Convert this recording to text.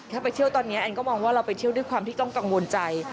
ไปเที่ยวตอนนี้แอนก็มองว่าเราไปเที่ยวด้วยความที่ต้องกังวลใจ